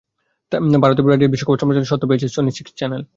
ভারতে ব্রাজিল বিশ্বকাপ সম্প্রচারের স্বত্ব পেয়েছে সনি সিক্স চ্যানেল।